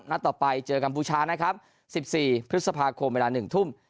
ต่อไปเจอกัมพูชานะครับ๑๔พฤษภาคมเวลา๑ทุ่ม